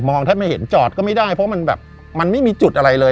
แทบไม่เห็นจอดก็ไม่ได้เพราะมันแบบมันไม่มีจุดอะไรเลย